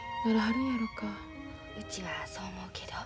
うちはそう思うけど。